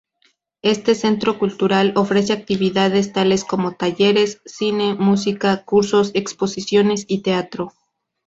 Este centro cultural ofrece actividades tales como talleres, cine, música, cursos, exposiciones y teatro.